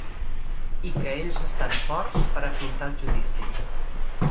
I que ells estan forts per afrontar el judici.